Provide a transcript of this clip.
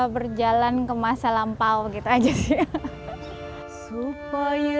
berjalan ke masa lampau gitu aja sih